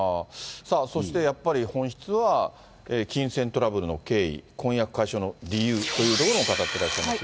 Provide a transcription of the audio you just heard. そしてやっぱり本質は、金銭トラブルの経緯、婚約解消の理由というところも語っていらっしゃいますが。